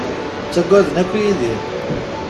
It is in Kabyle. Ttaggaden akk Yidir.